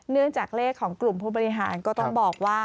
เนื่องจากเลขของกลุ่มผู้บริหารก็ต้องบอกว่า